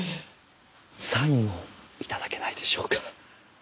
サインを頂けないでしょうか？